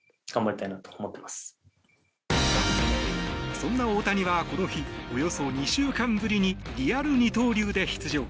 そんな大谷はこの日およそ２週間ぶりにリアル二刀流で出場。